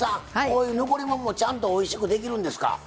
こういう残り物もちゃんとおいしくできるんですか。